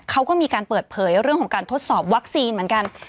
เขาก็มีการเปิดเผยเรื่องของการทดสอบวัคซีนเหมือนกัน